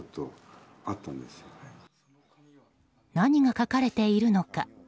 何が書かれているのか。